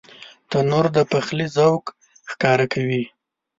تنور د پخلي ذوق ښکاره کوي